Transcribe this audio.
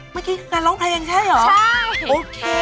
เมื่อกี้การร้องเพลงใช่เหรอใช่โอเค